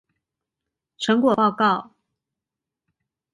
成果報告